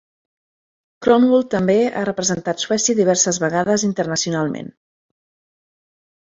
Kronwall també ha representat Suècia diverses vegades internacionalment.